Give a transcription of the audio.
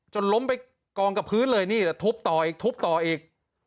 ล้มไปกองกับพื้นเลยนี่แหละทุบต่ออีกทุบต่ออีก